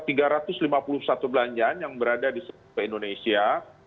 ada tiga ratus lima puluh satu belanjaan yang berada di seluruh indonesia